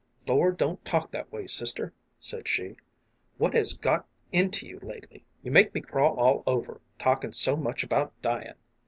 " Lor, don't talk that way, sister," said she. " What has got into you lately? You make me crawl all over, talkin' so much about dyin'.